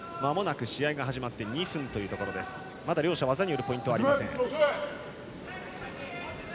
まだ両者、技によるポイントはありません。